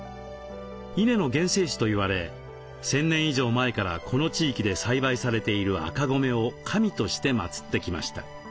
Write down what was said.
稲の原生種といわれ１，０００年以上前からこの地域で栽培されている赤米を神として祭ってきました。